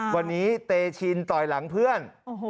วันนี้เตชินต่อยหลังเพื่อน